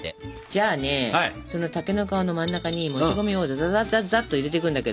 じゃあねその竹の皮の真ん中にもち米をざざざざざっと入れていくんだけど。